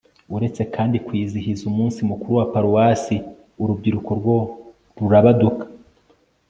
uretse kandi kwizihiza umunsi mukuru wa paruwasi, urubyiruko rwo rurabaduka